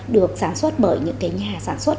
được sản xuất bởi những nhà sản xuất